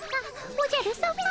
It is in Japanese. おじゃるさま。